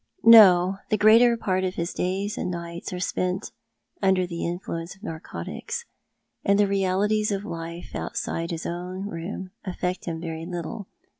"No. The greater part of his days and nights are spent under the influence of narcotics, and the realities of life outside his own room affect him very little.